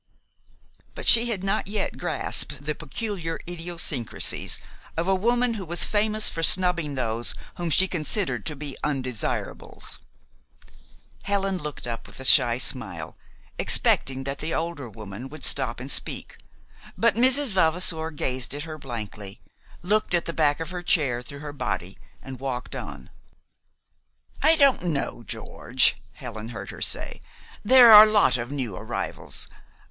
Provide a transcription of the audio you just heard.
But she had not yet grasped the peculiar idiosyncrasies of a woman who was famous for snubbing those whom she considered to be "undesirables." Helen looked up with a shy smile, expecting that the older woman would stop and speak; but Mrs. Vavasour gazed at her blankly looked at the back of her chair through her body and walked on. "I don't know, George," Helen heard her say. "There are a lot of new arrivals.